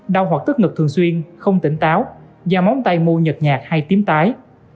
đau hoặc tức ngực thường xuyên không tỉnh táo da móng tay mu nhật nhạt hay tím tái